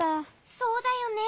そうだよね。